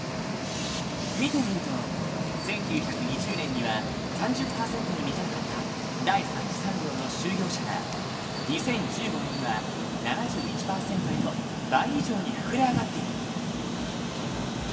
見てみると１９２０年には３０％に満たなかった第三次産業の就業者が２０１５年には７１％へと倍以上に膨れ上がっている。